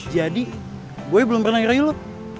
jadi boy belum pernah rayu lo